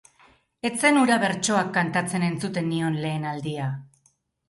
Ez zen hura bertsoak kantatzen entzuten nion lehen aldia.